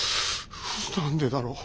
何でだろう。